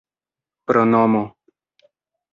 pronomo